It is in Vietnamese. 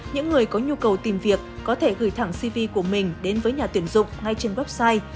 những người có nhu cầu tìm việc có thể gửi thẳng cv của mình đến với nhà tuyển dụng ngay trên website